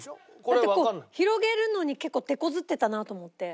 だってこう広げるのに結構手こずってたなと思って。